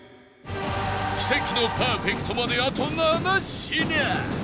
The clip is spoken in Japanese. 奇跡のパーフェクトまであと７品！